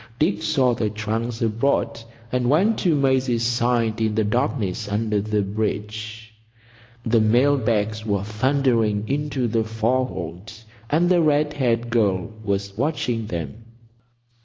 Dick saw the trunks aboard, and went to Maisie's side in the darkness under the bridge. The mail bags were thundering into the forehold, and the red haired girl was watching them.